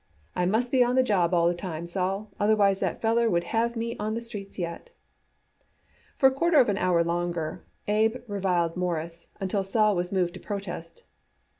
I must be on the job all the time, Sol, otherwise that feller would have me on the streets yet." For a quarter of an hour longer Abe reviled Morris, until Sol was moved to protest.